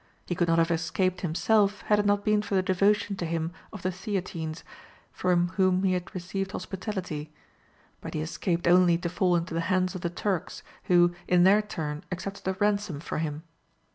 He could not have escaped himself had it not been for the devotion to him of the theatines, from whom he had received hospitality, but he escaped only to fall into the hands of the Turks, who, in their turn, accepted a ransom for him.